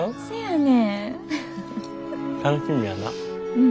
うん。